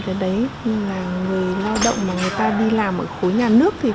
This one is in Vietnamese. lớp lương tăng thì là người lao động mà người ta đi làm ở khối nhà nước